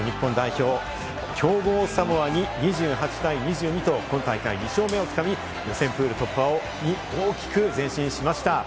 日本代表が強豪・サモアに２８対２２と、今大会２勝目をつかみ、予選プール突破を大きく引き寄せました。